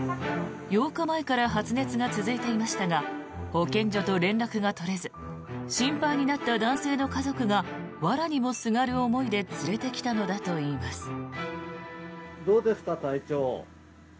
８日前から発熱が続いていましたが保健所と連絡が取れず心配になった男性の家族がわらにもすがる思いで連れてきたのだといいます。